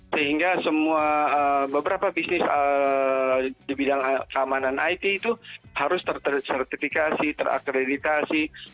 sehingga beberapa bisnis di bidang keamanan it itu harus ter sertifikasi ter akreditasi